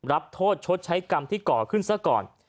รับโทษชดใช้กรรมที่ก่อขึ้นซะก่อน